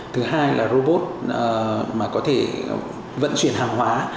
thứ hai là robot mà có thể vận chuyển hàng hóa